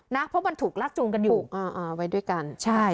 นะเพราะมันถูกลากจูงกันอยู่ไว้ด้วยกันใช่